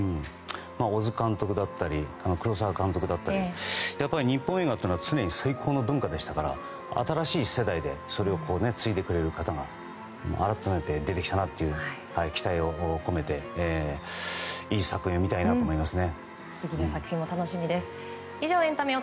小津監督だったり黒澤監督だったり日本映画というのは最高の文化でしたから新しい世代でそれを継いでくれる方が改めて出てきたなという期待を込めていい作品を見たいなと思います。